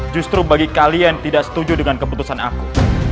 justru bagi kalian tidak setuju dengan keputusan aku